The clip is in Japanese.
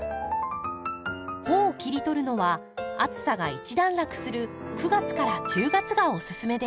穂を切り取るのは暑さが一段落する９月から１０月がおすすめです。